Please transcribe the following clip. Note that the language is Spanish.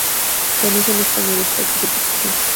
Carece en España de estatus de protección.